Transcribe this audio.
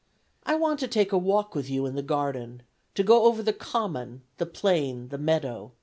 ... I want to take a walk with you in the garden, to go over to the common, the plain, the meadow.